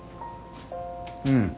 うん。